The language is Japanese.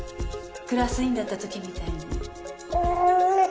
クラス委員だった時みたいに。